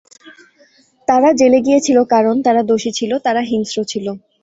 তারা জেলে গিয়েছিল কারণ তারা দোষী ছিল, তারা হিংস্র ছিল।